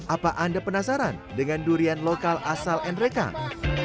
apa anda penasaran dengan durian lokal asal nrekang